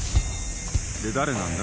で誰なんだ？